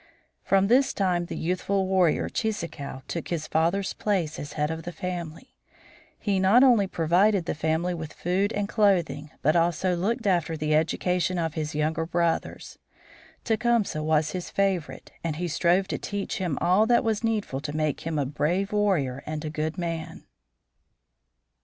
From this time the youthful warrior Cheeseekau took his father's place as head of the family. He not only provided the family with food and clothing, but also looked after the education of his younger brothers. Tecumseh was his favorite, and he strove to teach him all that was needful to make him a brave warrior and a good man.